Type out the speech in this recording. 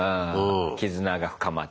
絆が深まるって。